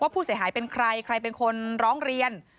ผู้เสียหายเป็นใครใครเป็นคนร้องเรียน